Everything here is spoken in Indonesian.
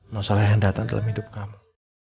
masalah yang datang dalam hidup kamu